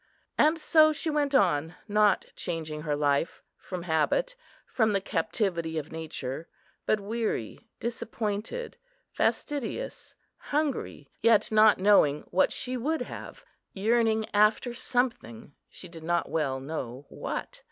And so she went on; not changing her life, from habit, from the captivity of nature, but weary, disappointed, fastidious, hungry, yet not knowing what she would have; yearning after something, she did not well know what.